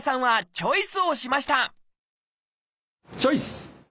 チョイス！